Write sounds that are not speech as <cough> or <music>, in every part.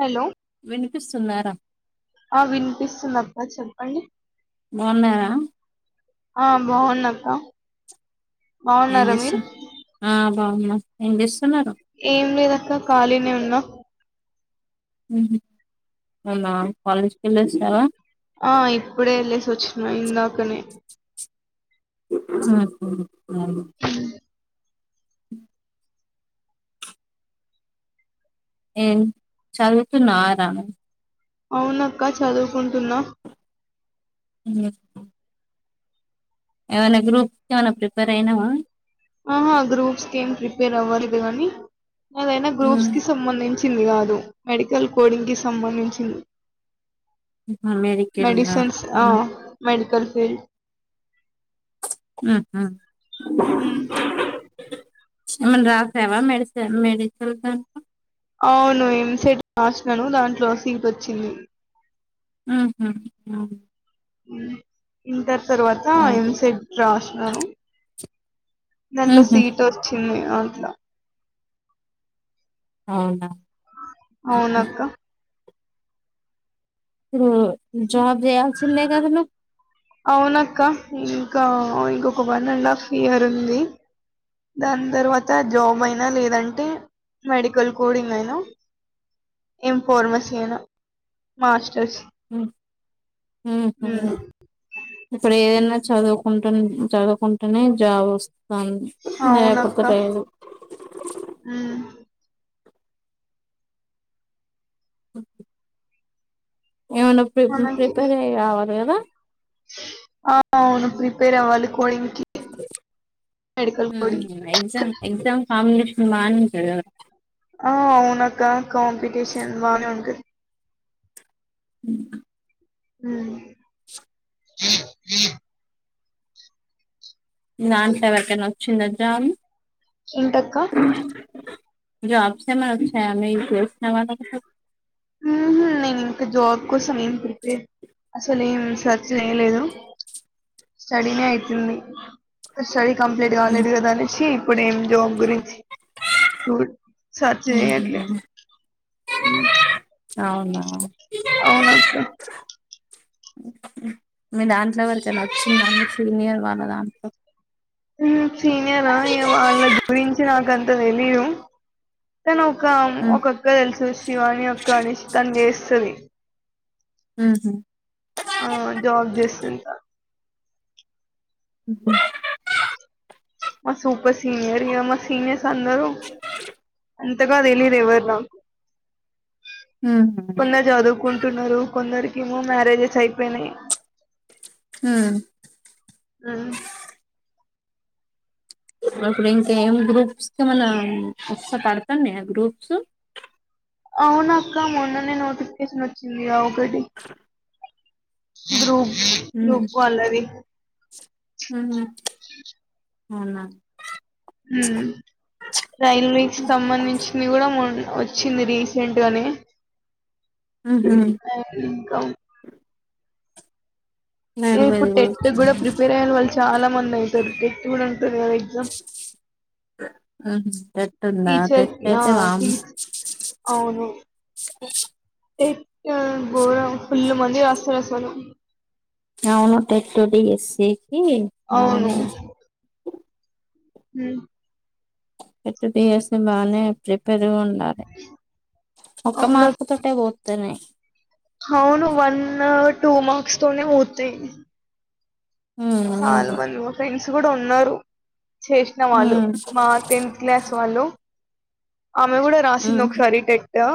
Hello వినిపిస్తున్నారా ఆ వినిపిస్తుంది అబ్బా చెప్పండి బాగున్నారా ఆ బాగున్నా అ ఏం చేస్తూ ఆ బాగున్నా ఇంగ్లీష్ ఏం లేదాక్క ఖాళీనే ఉన్నా అ కాలజ్ కలో చాల <unintelligible> ఆ ఇప్పుడే వెళ్ళసి వచ్చిన ఇందాకనే మ్మ్ <inaudible> ఏన్ చదువుతున్నవారా అవునక్క చదువుకుంటున్నా మ్మ్ ఏమైనా గ్రూప్ ఏమన్నా ప్రిపేర్ అయినవా ఆహా గ్రూప్స్కి ఏం ప్రిపేర్ అవ్వలేదు గని ఏదైనా గ్రూప్స్ కి సంబంధించి చింది కాదు మెడికల్ కోడింగ్ కి సంబంధించింది మెడికల్ దా మెడిసిన్స్ ఆ మెడి కల్ ఫీల్డ్ ఉహు హ్మ్ ఏమన్న రాసావా మెడిసెన్ మెడికల్ కో అవును ఏంసెట్ రాసినను దాంట్లో సీట్ వచ్చింది మ్మ్ హు ఓ ఇంటర్ తర్వాత ఎంసెట్ రాసినను దాంట్లో సీట్ వచ్చింది ఆట్ల అవునా ఇప్పుడు అవునక్కా రో జాబ్ చేయాల్సిందే కదా అవునక్క ఇంకా ఇంకొక వన్ అండ్ హాఫ్ ఇయర్ ఉంది దాని తర్వాత జాబ్ అయినా లేదంటే మెడికల్ కోడింగ్ అయినా ఎం ఫార్మసీ అయినా మాస్టర్స్ ఉమ్మ్ ఉహూ ఉమ్ ఇప్పుడేదన్నా చదువు ఉంటుంది చదువుకొంటానే జాబొస్ అన్ అవునక్క లేకపోతే <inaudible> ఉమ్ ఏమైనా ప్రి మనకి ప్రిపేర్ అయ్యి రావాలి గదా ఆ అవును ప్రిపేర్ అవ్వాలి కోడింగ్ కి మెడికల్ కోడింగ్ ఉమ్మ్ ఎగ్జామ్ ఎగ్జామ్ కాంబినేష్ బానుంటదా ఆ అవునక్క కాంపిటీషన్ బానే ఉంటది ఊ ఊ దాంట్లో ఎవరికన్నా వచ్చిందా జాబు ఏంటక్క జబ్స్ ఏమన్నా వచ్చాయా మీకు తెలిసిన వాళ్ళకు నేను ఇంకా జాబ్ కోసం ఏం ప్రిపేర్ అసలు ఏం సర్చ్ చేయలేదు స్టడీనే అయితుంది స్టడీ కంప్లీట్ కాలేదు కదా అనేసి ఇప్పుడు ఏం జాబ్ గురించి చూ సెర్చ్ చేయట్లే అవునా అవునా అక్క మీ దాంట్లో వాళ్ళకు ఎలా వచ్చిందండి సీనియర్ వాళ్ళ దాంట్లో సీనియర్ వాళ్ళ గురించి నాక అంత తెలిదు తను ఒక ఒకొక్క తెలుసు శివాని అక్క తను చే సర హహ ఆ జాబ్ చేస్తుంట అ ఓకే మా సూపర్ సీనియర్ మా సీనియర్ అందరూ అంతగాదు తెలీదు ఎవరు నాకు కొందరు చదు కున్నారు కొందరికి ఏమో మ్యారేజెస్ అయిపోయినాయి హ ఆ అప్పుడింక ఏం గ్రూప్స్ అవునా వస పడు పన్నయి గ్రూప్స్ అవును అక్క మొన్ననే నోటిఫికేషన్ వచ్చింది వెలి గ్రూప్ గ్రూప్ వాళ్ళది హ స అవునా రైల్వేస్ సంబంధించింది కూడా వచ్చింది రీసెంట్ గానే ఉహు ఇంకా నైర్వేద ఇప్పుడు టెట్ వచ్చింది కూడా ప్రిపేర్ అయ్యన వాళ్ళు చాలా మంది అయితారు <inaudible> ఆ టెట్ ఉంద టీచర్ టెట్ ఆ అయితే వామ్ టీచ్ అవును ఆ గోరం ఫుల్లు మంది రాస్తారు అసలు అవును టెట్ డిఎస్సీ కి బానే మ్మ్ పెద్దది ఏస్తే బానే ప్రిపేర్ దూండాలి ఒక్క అవును మార్కు తోటే పోతది అవును వన్ టూ మార్క్స్ తోనే పోతాయి ఉమ్ సాలు అవును <inaudible> కూడా ఉన్నారు చేసిన వాళ్ళు ఉమ్ మా టెన్త్ క్లాస్ వాళ్ళు ఆమె కూడా రాసింది ఉమ్ ఒకసారి టె యో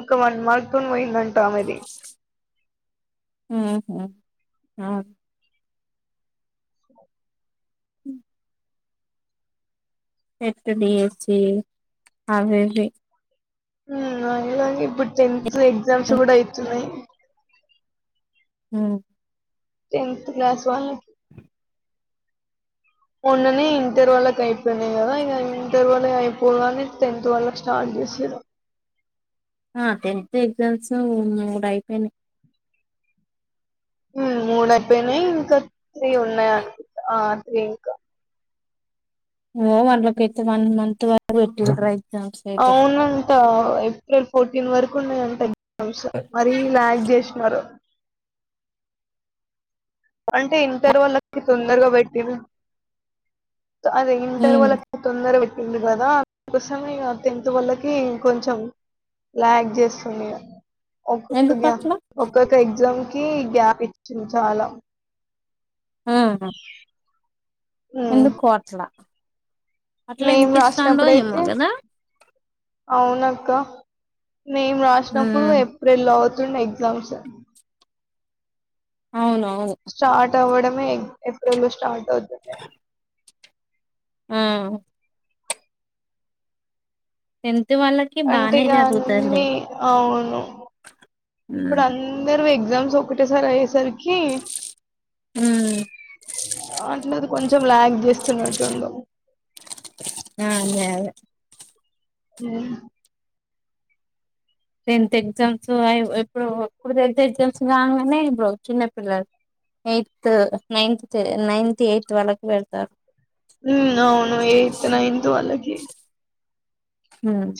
ఒక వన్ మార్క్ తోని పోయిందంట ఆమెది ఓహో ఆ పెట్టనియచే అవన్నీ అలాగే ఇప్పుడు టెన్త్ ఎగ్జామ్స్ కూడా అయితున్నాయి హ టెన్త్ క్లాస్ వాళ్ళకి మొన్ననే ఇంటర్ వాళ్ళకి అయిపోయినాయి కదా ఇక ఇంటర్ వాళ్ళ అయిపోగానే టెన్త్ వాళ్ళకి స్టార్ట్ చేసిర్రు ఆ టెన్త్ ఎగ్జామ్స్ మూడు అయిపోయినాయి మూడు అయిపోయినాయి ఇంకా త్రీ ఉన్నాయి ఆ త్రీ ఇంకా ఓ వార్లకైతే వన్ మంత్ దాక పెట్టిర్రు రై అవునంతా ఏప్రిల్ ఫోరటీన్ వరకు గున్న గాన్ పెద్ వంశ మరీ ల్యాగ్ జేష్నరు. అంటె ఇంటర్ వోళ్ళకి తొందర్గ పెట్టిర్రు. అదె ఇంటర్ ఉమ్ వోళ్లక్ తొందర పెట్ ఉంది గదా అందుకోసమె ఇగ టెన్త్ వొళ్లకి కొంచెం ల్యాగ్ జేస్తుందిగ. ఎందుకు ఒక్కొక్కగ్య అట్లా ఒక్కొక్క ఎగ్జామ్ కి కి గ్యాపిచ్చింద్ చాలా. ఆ ఎందుకొ అట్ల. మేమ్ ఎందుకు ఇస్తాండో ఏమో రాసినప్పుడైతె కదా ఔనక్క. మేమ్ రాష్నప్పుడు ఉమ్ ఏప్రిల్లో ఔత్ జుండె ఎగ్జామ్స్. అవునవును స్టాటవ్వడం. మే. ఏప్రిల్లొ స్టాటవ్తుండె. ఆ టెన్త్ వాళ్ళకి బానే జరుగుతదిలే అంటిగాన్ని ఔను ఉమ్ ఇప్పుడందర్వి గ్జామ్స్ ఒకటే సారయ్యే సర్కి. కి ఉమ్ అందర్ కొంచెం ల్యాగ్ జేస్తున్నట్టుండు. ఆ అదే అదే హూ టెన్త్ ఎగ్జామ్సు అయ్వ్ ఎప్పుడు ఇప్పుడు టెన్త్ ఎగ్జామ్స్ రాంగనే ఇబ్బుడు చిన్నపిల్లల్ ఎయ్తు నైన్త్ తె నైన్త్ ఎయ్త్ వాళ్ళక్ పెడ్తారు. ఊమ్ ఔను ఎయ్త్ నైన్త్ వాళ్లకి. ఉమ్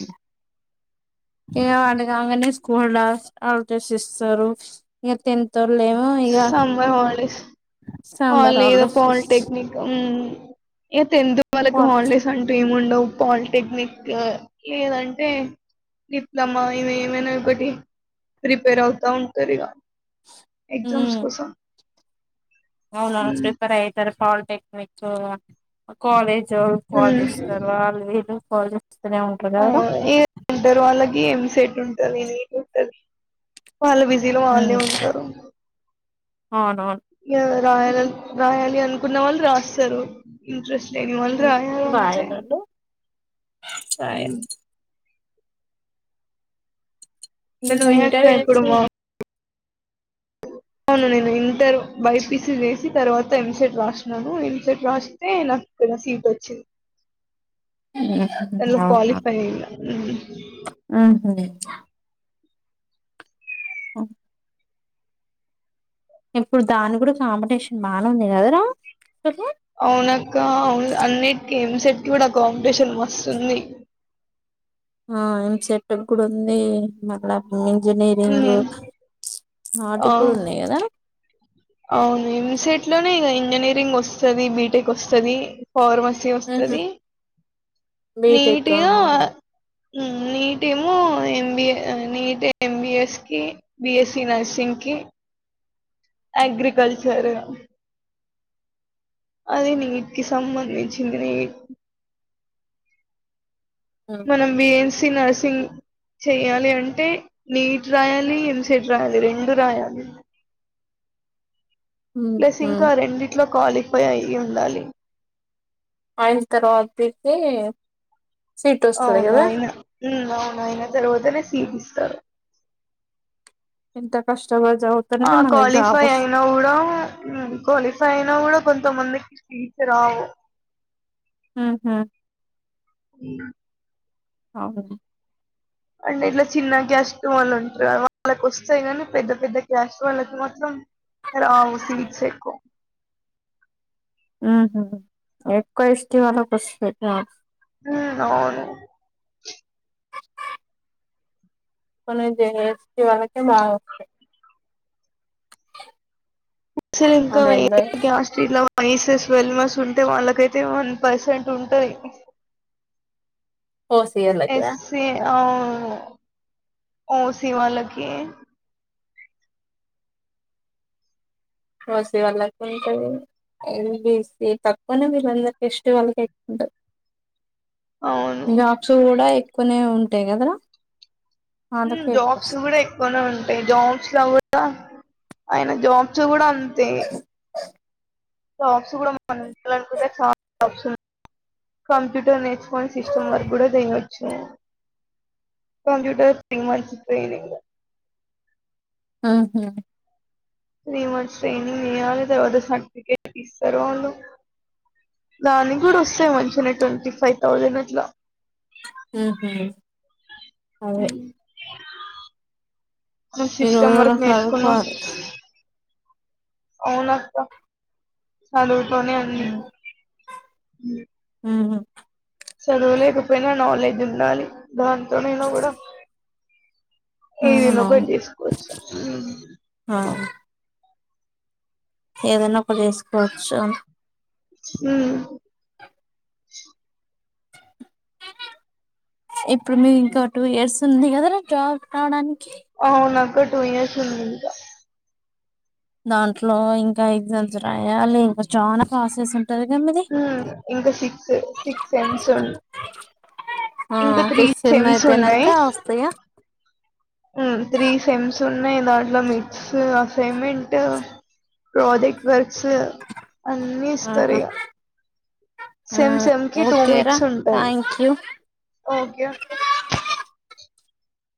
ఇగ వాళ్లు రాంగనె స్కూల్డాస్ <unintelligible> సిస్తరు ఇగ టెన్త్. తొల్లేమో ఇగ. సమ్మర్ వాల్లేదొ హాలిడేస్ ఇస్ పాల్టెక్నిక్ ఉమ్ ఇగ టెన్త్ వాళ్ళకు వాట్ హాల్డేస్ అంటు ఏమ్ ఏమిండవు పాలిటెక్నిక్ లేదంటే డిప్లమ ఇవేమైన ఒకటి ప్రిపేరౌతా ఉంటరిగ. ఎగ్జామ్స్ కోసం. ఔనవ్ను ఉమ్ ప్రిపేరైతరు పాల్ టెక్నిక్కు అ కాలేజ్. <unintelligible> కాల్ జేస్తర్ వాళ్ళు వీలు. కాల్జె. అ ఇగ ఇంటర్ వాళ్ళకి ఎంసెట్ ఉంట టది నీకుంటది. వాళ్ళ బిజీలో వాళ్లే ఉంటారు అవునవును రాయాల రాయాలి అనుకున్న వాళ్ళు రాస్తారు ఇంట్రెస్ట్ నేన్ ఇవాళ రాయలంతే బాయనండి సరే హ్మ్ అంటే నువ్వు మయక్క ఇంటర్ చేసి ఎప్పుడుమో అవును నేను ఇంటర్ బై పీసి చేసి తర్వాత ఎంసెట్ రాసినాను ఎంసెట్ రాస్తే నాకు ఇక్కడ సీట్ వచ్చింది. దాంట్లో అవునా క్వాలిఫై అయినా ఊహూ ఆ అ ఇప్పుడు దాని కూడా కాంపిటీషన్ బానే ఉంది కదరా అవునక్క అవును అన్నిటికీ ఎం సెట్కి కూడా కాంపిటీషన్ మస్తు ఉంది. ఆ ఎంసెట్ కి కూడా ఉంది మళ్ళా ఇంజనీరింగు ఆ వాటికి కూడా ఉన్నాయి కదా అవును ఎంసెట్ లోనే ఇగా ఇంజనీరింగ్ వస్తది బీటెక్ వస్తది ఫార్మసీ వస్తది బీటెక్ నీటియో అవును హ్మ్ నీటేమో ఎంబి నీట్ ఎంబిఎస్ కి బిఎస్సి నర్సింగ్కి ఎగ్రికల్చర్ సరే అది నీట్కి సంబంధించింది నీ మనం <unintelligible> సి నర్సింగ్ చెయ్యాలి అంటే నీట్ రాయాలి ఎంసెట్ రాయాలి రెండూ రాయాలి ప్లస్ ఇంకా రెండిట్లో క్వాలిఫై అయ్యి ఉండాలి ఆయిన తర్వాతైతే సీట్ వస్తది కదా హ్మ్ అవును అయిన తర్వాతనే సీటిస్తారు ఎంత కష్ ఆ క్వాలిఫై అయినా కూడా హ్మ్ క్వాలిఫై కైనా కూడా కొంతమందికి సీట్లు రావు ఊహూ అవును అంటే ఇట్లా చిన్న క్యాస్ట్ వాళ్ళు ఉంటరు. వాళ్ళకి వస్తాయి కాని పెద్ద పెద్ద క్యాస్ట్ వాళ్ళకి మాత్రం రావు సీట్స్ ఎక్కువ ఊహూ ఎక్కువ ఎస్టీ వాళ్ళకి వస్తాయి జాబ్స్ హ్మ్ అవును మరైతే ఎస్టీ వాళ్ళకి బా వస్తయి లు ఇంకా ఆస్ట్రే <unintelligible> ట్వల్వ్ మంత్స్ ఉంటే వాళ్ళకైతే వన్ పర్సెంట్ ఉంటది. ఓ స లేగగా <unintelligible> ఆ! ఓసి. వాల్లకి ఓసీ వాళ్ళకు ఉంటది. బి సి తక్కువనే వీళ్ళందరికి యస్. టి వాళ్ళకి ఎక్కువ ఉంటాది. అవును నాస వడా <unintelligible> కొనే ఉంటాయి కదరా? వాళ్ళకే ఎక్కువ జాబ్స్ వస్తాయి కూడా ఎక్కువనే ఉంటాయి జాబ్స్ లో కూడా అయిన జాబ్స్ కూడా అంతే! అంతే <unintelligible> చూడాలనుకుంటే చాలా కంప్యూటర్ నేర్చుకొని సిస్టమ్ వర్క్ కూడా చేయచ్చు. కంప్యూటర్ తో మంచి ట్రైనింగ్. ఉహు! త్రీ మంత్స్ ట్రైనింగ్ చేయాలి తర్వాత సర్టిఫికెట్ ఇస్తారు. వాళ్ళు దానికి కూడా వస్తాయి మంచిగానే ట్వంటీ ఫైవ్ థౌజండ్ అట్లా. హు హూ అదే మేం ఈ సిస్టమ్ రోజుల్లో వర్క్ నేర్చుకున్నాం. చదువుకోవాలి అవునా! అక్కా, చదువు తోనే ఉంది. ఇ <unintelligible> హు హూ! చదువలేకపోయినా నాలెడ్జ్ ఉండాలి. దాంతోనైనా కూడా ఏదో ఒకటి అవునవును చేసుకోవచ్చు. ఏదన్నా ప్రవేశకోచ్చ <unintelligible> హ్మ్! ఇప్పుడు మీ ఇంకా టూ ఇయర్స్ ఉంది కదా రా జాబ్ రావడానికి? అవును అక్కా టు ఇయర్స్ ఉంది ఇంకా. దాంట్లో ఇంకా ఎగ్జామ్స్ రాయాలి, ఇంకా చాలా ప్రాసెస్ ఉంట. హు ఇంకా సిక్స్ సిక్స్ సెమ్స్ ఉ ఆ ఇంకా త్రీ ఫిఫ్త్ సెమ్ సెమ్స్ అయిపోయినంక ఉన్నాయి. వస్తాయా హ్మ్! త్రీ సెమ్స్ ఉన్నాయి దాంట్లో mix assignment project work. Sir! అన్నీ ఇస్తారు ఆహా ఇగ సెమ్ సెమ్ కి టూ ఓకేరా మిడ్స్ ఉంటాయి. Thank you okay.